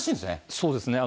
そうですね。